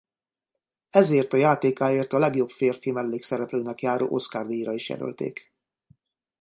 Ezért a játékáért a legjobb férfi mellékszereplőnek járó Oscar-díjra is jelölték.